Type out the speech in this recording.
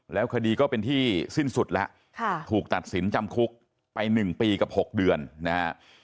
แล้วคดีก็เป็นที่สิ้นสุดแล้วถูกตัดสินจำคุกไป๑ปีกับ๖เดือนนะฮะ